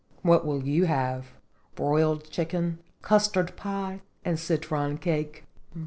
What will you have? broiled chicken, custard pie, and citron cake?"